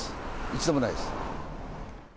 一度もないです。